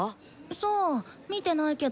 さあ見てないけど。